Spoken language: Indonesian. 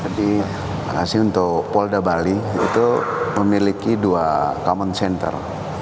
jadi makasih untuk polda bali itu memiliki dua komen center